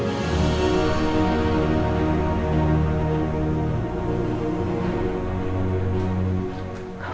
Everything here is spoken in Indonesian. kalau di handle sama pengacara baru itu